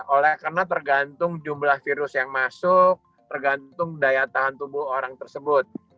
oleh karena tergantung jumlah virus yang masuk tergantung daya tahan tubuh orang tersebut